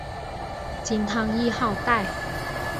金汤谥号戴。